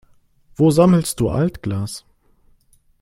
Wo sammelst du Altglas?